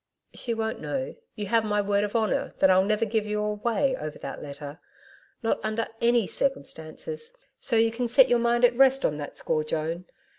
'She won't know You have my word of honour that I'll never give you away over that letter not under ANY circumstances, so you can set your mind at rest on that score, Joan.